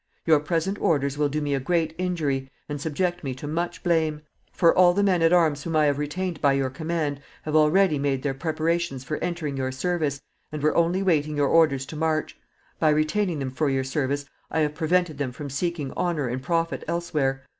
Your present orders will do me a great injury, and subject me to much blame. For all the men at arms whom I have retained by your command have already made their preparations for entering your service, and were only waiting your orders to march. By retaining them for your service I have prevented them from seeking honor and profit elsewhere.